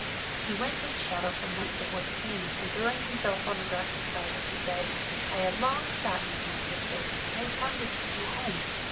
He went to the shadow from which the voice came, and throwing himself on the grass beside it, he said, "I have long sought you, my sister. I have come to take you home.